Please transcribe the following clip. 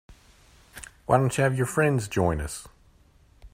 Why don't you have your friends join us?